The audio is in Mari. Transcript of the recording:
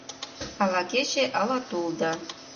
Ала кече, ала тул да.